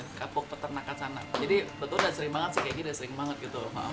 dia di sana sana jadi betul saya sering banget sih kayak gini sering banget gitu